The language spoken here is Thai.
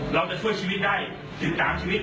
เราจะช่วยชีวิตได้ถึง๓ชีวิต